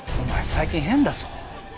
最近変だぞ。